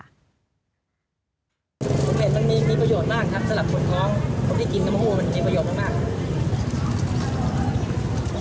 ผมเห็นมันมีประโยชน์มากครับสำหรับคนท้อง